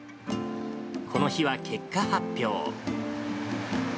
この日は結果発表。